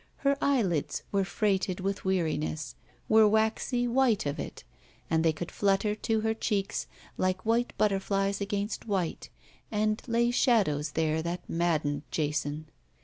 Her eyelids were freighted with weariness, were waxy white of it, and they could flutter to her cheeks, like white butterflies against white, and lay shadows there that maddened Jason.